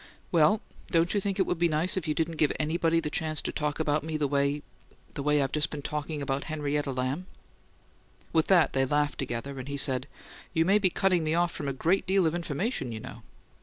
"Well, don't you think it would be nice if you didn't give anybody the chance to talk about me the way the way I've just been talking about Henrietta Lamb?" With that they laughed together, and he said, "You may be cutting me off from a great deal of information, you know."